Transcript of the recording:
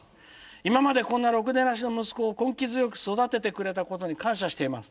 今までこんなろくでなしの息子を根気強く育ててくれたことに感謝しています」。